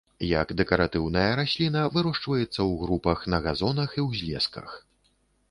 Як дэкаратыўная расліна вырошчваецца ў групах на газонах і ўзлесках.